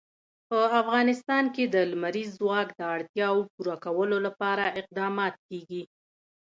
په افغانستان کې د لمریز ځواک د اړتیاوو پوره کولو لپاره اقدامات کېږي.